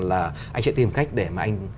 là anh sẽ tìm cách để mà anh